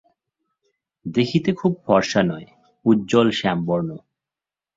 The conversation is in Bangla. দেখিতে খুব ফরসা নয়, উজ্জ্বল শ্যামবর্ণ।